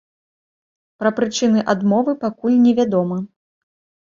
Пра прычыны адмовы пакуль невядома.